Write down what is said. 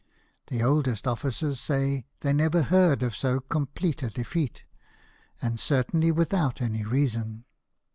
The oldest officers say they never heard of so complete a defeat, and certainly without any reason.